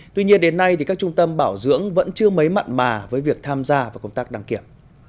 tuy nhiên đến nay các trung tâm bảo dưỡng vẫn chưa mấy mặn mà với việc tham gia vào công tác đăng kiểm